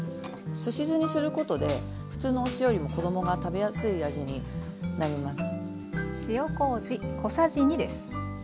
すし酢にすることで普通のお酢よりも子どもが食べやすい味になります。